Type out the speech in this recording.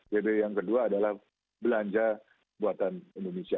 yang kedua adalah belanja buatan indonesia